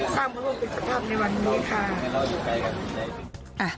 สร้างผลวงเป็นสภาพในวันนี้ค่ะ